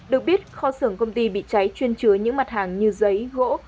được biết kho xưởng công ty bị cháy chuyên chứa những mặt hàng như giấy gỗ